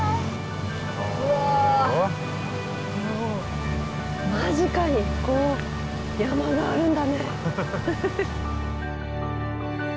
もう間近にこう山があるんだね。